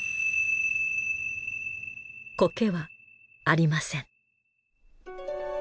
苔はありません。